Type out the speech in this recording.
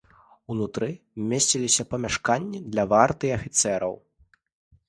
Унутры месціліся памяшканні для варты і афіцэраў.